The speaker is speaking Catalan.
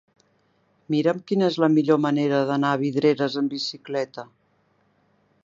Mira'm quina és la millor manera d'anar a Vidreres amb bicicleta.